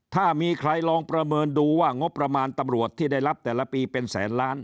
ถ้ามีใครลองประเมินดูว่างบประมาณตำรวจที่ได้รับแต่ละปีเป็นแสนล้าน